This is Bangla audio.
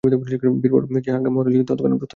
বীরবর যে আজ্ঞা মহারাজ বলিয়া তৎক্ষণাৎ প্রস্থান করিল।